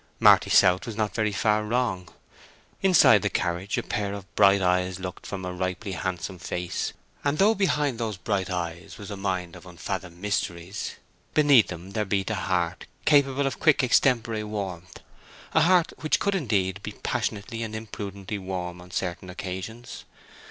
Marty South was not so very far wrong. Inside the carriage a pair of bright eyes looked from a ripely handsome face, and though behind those bright eyes was a mind of unfathomed mysteries, beneath them there beat a heart capable of quick extempore warmth—a heart which could, indeed, be passionately and imprudently warm on certain occasions.